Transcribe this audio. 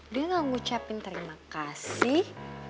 dia gak ngucapin terima kasih